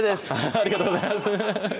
ありがとうございますハハハ